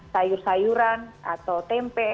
sayur sayuran atau tempe